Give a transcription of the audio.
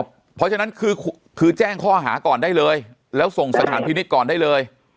เพราะฉะนั้นคือแจ้งข้อหาก่อนได้เลยแล้วส่งสถานพินิษฐ์ก่อนได้เลย